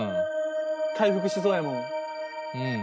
回復しそうやもん。